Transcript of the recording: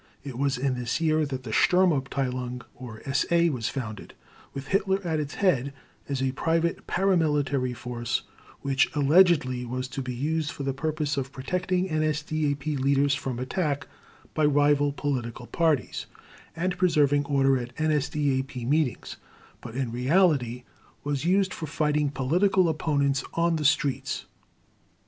It was in this year that the Sturmabteilung or SA was founded, with Hitler at its head, as a private para military force, which allegedly was to be used for the purpose of protecting NSDAP leaders from attack by rival political parties, and preserving order at NSDAP meetings, but in reality was used for fighting political opponents on the streets.